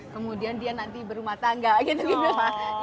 kemudian dia nanti berumah tangga gitu gitu